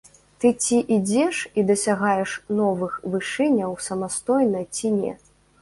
Ты ці ідзеш і дасягаеш новых вышыняў самастойна, ці не.